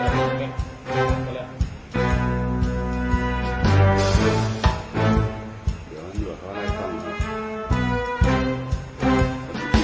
แล้วเขามีสิทธิ์ต่ายไว้